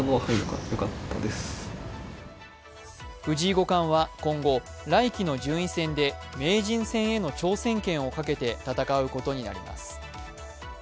藤井五冠は今後、来期の順位戦で名人戦への挑戦権をかけて戦うことになります。